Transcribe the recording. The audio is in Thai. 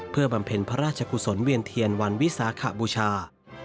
เพื่อบำเพ็ญพระราชกุศลเวียนเทียนวันวิสาขบูชา